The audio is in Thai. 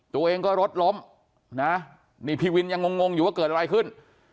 ตัวเองก็รถล้มนะนี่พี่วินยังงงอยู่ว่าเกิดอะไรขึ้น